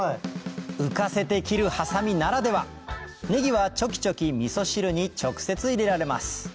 浮かせて切るハサミならではネギはチョキチョキみそ汁に直接入れられます